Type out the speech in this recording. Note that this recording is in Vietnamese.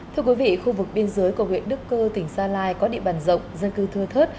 thưa quý vị khu vực biên giới của huyện đức cơ tỉnh sa lai có địa bàn rộng dân cư thưa thớt